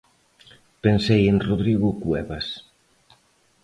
Pensei en Rodrigo Cuevas.